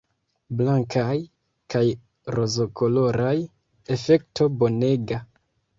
Blankaj kaj rozokoloraj, efekto bonega!